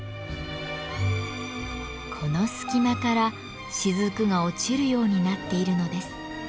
この隙間から滴が落ちるようになっているのです。